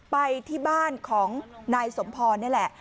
ไปที่บ้านของนายสมพรนี่แหละ